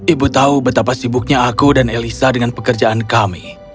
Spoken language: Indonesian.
ibu tahu betapa sibuknya aku dan elisa dengan pekerjaan kami